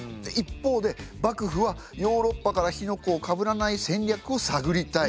一方で幕府はヨーロッパから火の粉をかぶらない戦略を探りたい。